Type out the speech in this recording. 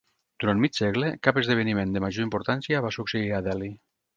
Durant mig segle cap esdeveniment de major importància va succeir a Delhi.